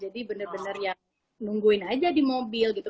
jadi bener bener ya nungguin aja di mobil gitu